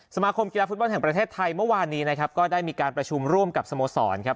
สมาคมกีฬาฟุตบอลแห่งประเทศไทยเมื่อวานนี้นะครับก็ได้มีการประชุมร่วมกับสโมสรครับ